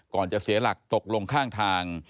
จะเสียหลักตกลงข้างทาง